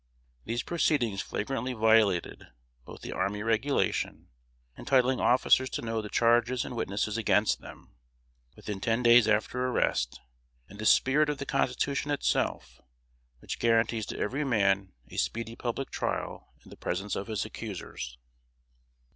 These proceedings flagrantly violated both the Army Regulation, entitling officers to know the charges and witnesses against them, within ten days after arrest, and the spirit of the Constitution itself, which guarantees to every man a speedy public trial in the presence of his accusers.